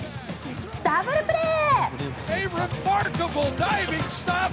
ダブルプレー！